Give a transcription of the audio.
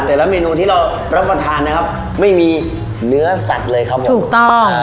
แต่ละเมนูที่เรารับประทานนะครับไม่มีเนื้อสัตว์เลยครับผมถูกต้อง